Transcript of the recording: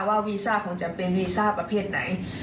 ว่าวีซ่าของแจมเป็นวีซ่าประเภทไหน